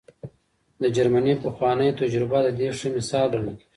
د جرمني پخوانۍ تجربه د دې ښه مثال ګڼل کېږي.